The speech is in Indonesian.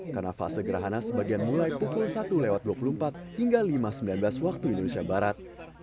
karena fase gerhana sebagian mulai pukul satu lewat dua puluh empat hingga lima sembilan belas waktu indonesia barat